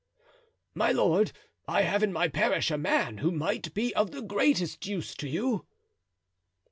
"My lord, I have in my parish a man who might be of the greatest use to you."